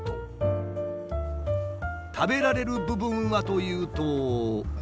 食べられる部分はというと。